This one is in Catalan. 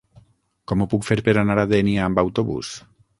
Com ho puc fer per anar a Dénia amb autobús?